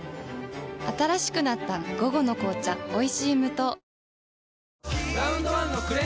新しくなった「午後の紅茶おいしい無糖」